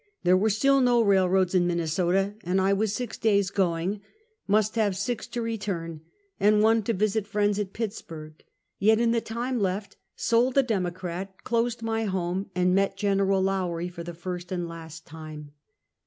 There were still no railroads in Minnesota, and I was six days going, must have six to return, and one to visit friends at Pittsburg, yet in the time left, sold The Democrat^ closed my home, and met Gen. Lowrie for the first and last time.